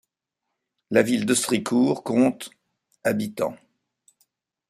La ville d'Ostricourt compte habitants.